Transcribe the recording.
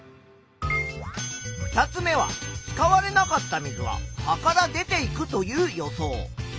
２つ目は使われなかった水は葉から出ていくという予想。